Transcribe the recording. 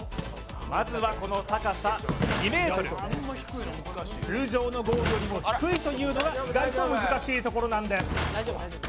まずはこの高さ２ｍ通常のゴールよりも低いというのが意外と難しいところなんです